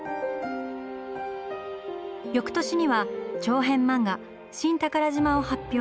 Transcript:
翌年には長編漫画「新寳島」を発表。